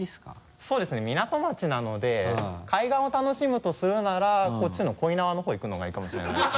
そうですね港町なので海岸を楽しむとするならこっちの恋縄の方行くのがいいかもしれないですね。